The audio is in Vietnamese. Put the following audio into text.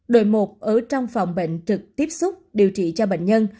đội một ở trong phòng bệnh trực tiếp xúc điều trị cho bệnh nhân